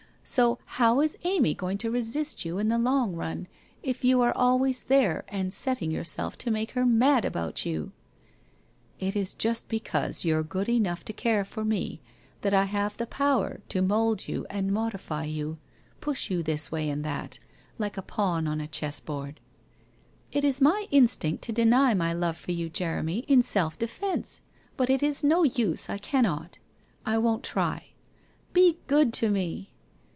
So how is Amy going to resist you in the long run, if you are always there, and setting yourself to make her mad about you ?'* It is just because you're good enough to care for me, that I have the power to mould you and modify you, push you this way and that, like a pawn on a chessboard/ * It is my instinct to deny my love for you, Jeremy, in self defence, but it is no use, I cannot. I won't try. Be good to me